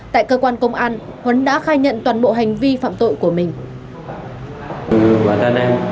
tại cơ quan công an huấn đã khai nhận toàn bộ hành vi phạm tội của mình